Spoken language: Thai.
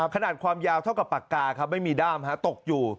ขนาดความยาวเท่ากับปากกาครับไม่มีด้ามตกอยู่